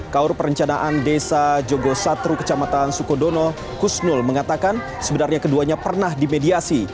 kaur perencanaan desa jogosatru kecamatan sukodono kusnul mengatakan sebenarnya keduanya pernah dimediasi